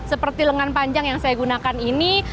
seperti lengan panjang yang saya gunakan ini